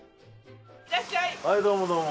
はいどうもどうも。